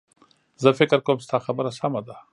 زه فکر کوم ستا خبره سمه ده